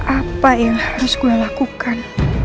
apa yang harus gue lakukan